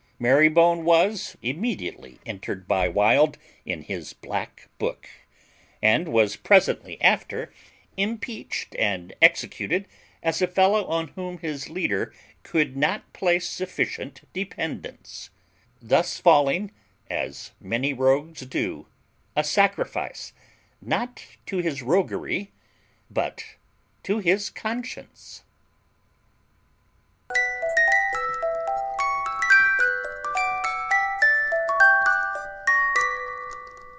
Marybone was immediately entered by Wild in his black book, and was presently after impeached and executed as a fellow on whom his leader could not place sufficient dependance; thus falling, as many rogues do, a sacrifice, not to his roguery, but to his conscience.